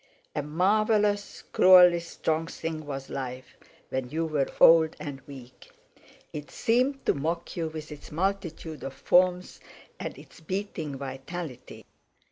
A marvellous cruelly strong thing was life when you were old and weak; it seemed to mock you with its multitude of forms and its beating vitality.